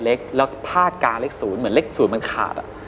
แล้วพาดการเล็ก๐เหมือนเล็ก๐มันขาดอะ